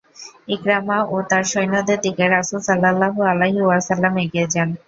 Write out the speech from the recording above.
ইকরামা ও তার সৈন্যদের দিকে রাসূল সাল্লাল্লাহু আলাইহি ওয়াসাল্লাম এগিয়ে যান।